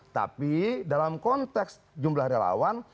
tapi dalam konteks jumlah relawan